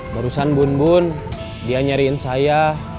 barusan bun bun dia nyariin saya